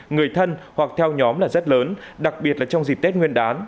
người thân hoặc theo nhóm là rất lớn đặc biệt là trong dịp tết nguyên đán